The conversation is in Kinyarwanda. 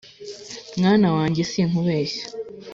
mwana wanjye sinkubeshya